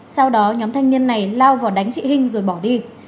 sau đó nhóm thanh niên này lao vào đánh chị hinh rồi bỏ đi